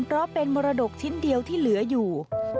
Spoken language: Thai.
เพราะเป็นมรดกชิ้นเดียวที่เหลืออยู่